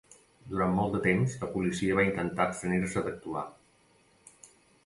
Durant molt de temps, la policia va intentar abstenir-se d'actuar.